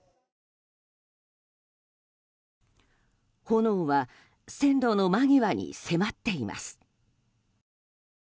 炎は線路の間際に迫っています。